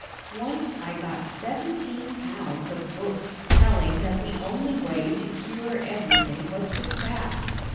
Once I got seventeen pounds of books telling that the only way to cure everything was to fast.